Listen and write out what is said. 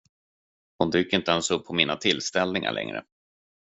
De dyker inte ens upp på mina tillställningar längre.